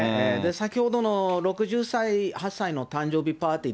先ほどの６８歳の誕生日パーティ